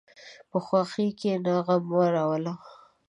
په خوښۍ کښېنه، غم مه راوله.